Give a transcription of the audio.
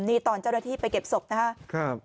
นี่ตอนเจ้าหน้าที่ไปเก็บศพนะครับ